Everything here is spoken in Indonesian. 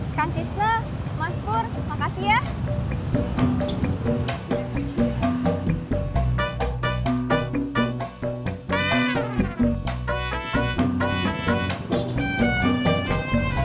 kanti splash mospor makasih ya